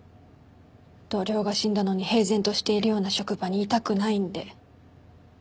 同僚が死んだのに平然としているような職場にいたくないんで。